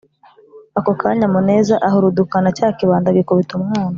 ako kanya muneza ahurudukana cya kibando agikubita umwana.